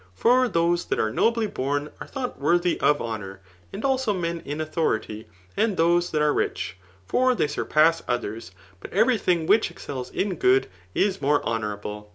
F(»r those that are nobly bom are thought worthy of ha» nbur ; and also men in authority, and tliose Aat are ikh; for they surpass others. But every thing whidi exGels in g<)od, is more honourable.